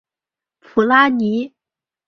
普拉尼。